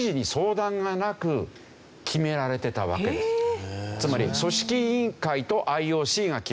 あの時つまり組織委員会とＩＯＣが決めた。